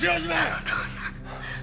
お父さん。